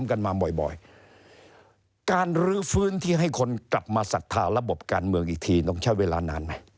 กันมาบ่อยการลื้อฟื้นที่ให้คนกลับมาศรัทธาระบบการเมืองอีกทีต้องใช้เวลานานไหม